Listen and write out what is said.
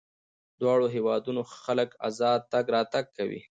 دواړو هېوادونو خلک ازاد تګ راتګ کوي.